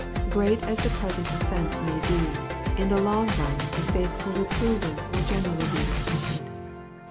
Great as the present offence may be, in the long run the faithful reprover will generally be respected.